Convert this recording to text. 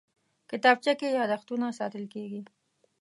کتابچه کې یادښتونه ساتل کېږي